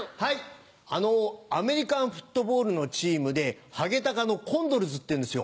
アメリカンフットボールのチームでハゲタカのコンドルズっていうんですよ。